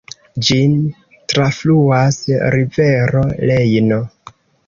Ĝin trafluas rivero Rejno.